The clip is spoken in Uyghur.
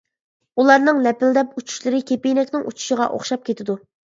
ئۇلارنىڭ لەپىلدەپ ئۇچۇشلىرى كېپىنەكنىڭ ئۇچۇشىغا ئوخشاپ كېتىدۇ.